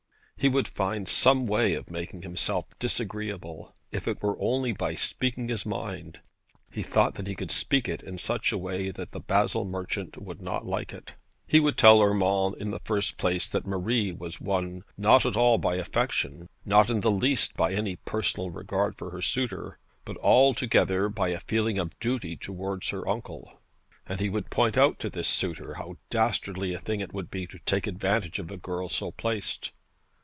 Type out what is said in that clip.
He would find some way of making himself disagreeable. If it were only by speaking his mind, he thought that he could speak it in such a way that the Basle merchant would not like it. He would tell Urmand in the first place that Marie was won not at all by affection, not in the least by any personal regard for her suitor, but altogether by a feeling of duty towards her uncle. And he would point out to this suitor how dastardly a thing it would be to take advantage of a girl so placed.